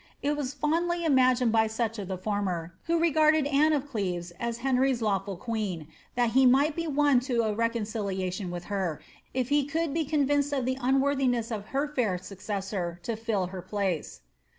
It was fondly imagined by such of the former, who regarded Anne of Cleves as Henry's lawful queen, that he might be won to a reconciliation with her, if he coald be cini* Tinced of the unworthiness of her fair successor to fill her place.